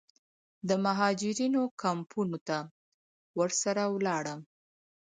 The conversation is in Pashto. د مهاجرینو کمپونو ته ورسره ولاړم.